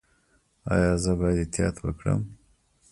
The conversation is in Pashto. ایا زه باید احتیاط وکړم؟